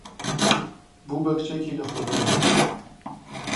بوو بە کچێکی لەخۆبایی.